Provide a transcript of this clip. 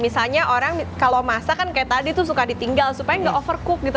misalnya orang kalau masakan kayak tadi tuh suka ditinggal supaya gak overcook gitu